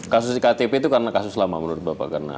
kasus iktp itu karena kasus lama menurut bapak